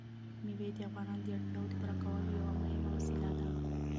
مېوې د افغانانو د اړتیاوو د پوره کولو یوه مهمه وسیله ده.